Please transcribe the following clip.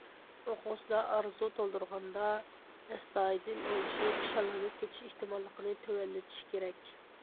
ئوقۇغۇچىلار ئارزۇ تولدۇرغاندا ئەستايىدىل ئويلىشىپ، شاللىنىپ كېتىش ئېھتىماللىقىنى تۆۋەنلىتىشى كېرەك.